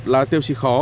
là tiêu chí khó